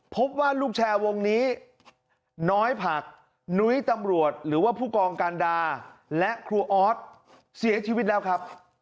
พบว่าลูกแชร์วงนี้น้อยผักนุ้ยตำรวจหรือว่าผู้กองการดาและครูออสเสียชีวิตแล้วครับ